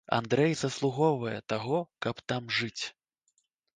Андрэй заслугоўвае таго, каб там жыць.